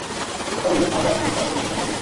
ক্রেতা বললেন, তাহলে আপনি এ পাথরগুলোকে সরিয়ে দিন।